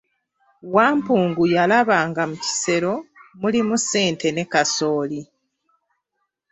Wampungu yalaba nga mu kisero mulimu ssente ne kasooli.